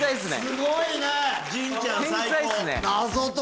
すごいね！